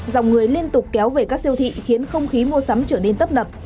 dòng người liên tục kéo về các siêu thị khiến không khí mua sắm trở nên tấp nập